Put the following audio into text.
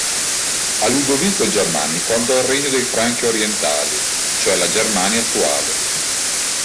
A Ludovico il Germanico andò il regno dei Franchi orientali, cioè la Germania attuale.